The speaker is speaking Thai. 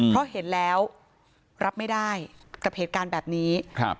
เพราะเห็นแล้วรับไม่ได้กับเหตุการณ์แบบนี้